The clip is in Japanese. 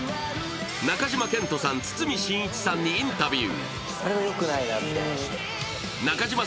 中島健人さん、堤真一さんにインタビュー。